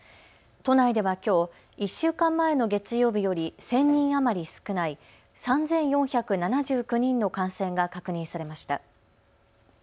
都内ではきょう、１週間前の月曜日より１０００人余り少ない３４７９人の感染が確認されました。